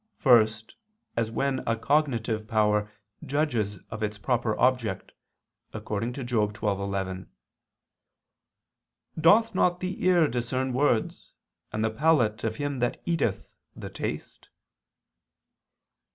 First, as when a cognitive power judges of its proper object, according to Job 12:11: "Doth not the ear discern words, and the palate of him that eateth, the taste?"